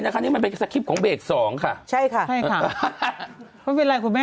ก็ไม่ต้องใช้สคริปต์ก็ได้